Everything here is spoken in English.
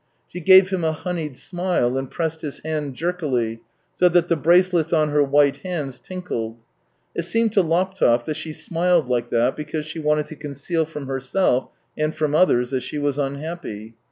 She gave him a honeyed smile and pressed his hand jerkily, so that the bracelets on her white hands tinkled. It seemed to Laptev that she smiled like that because she wanted to conceal from herself and from others that she was unhappy.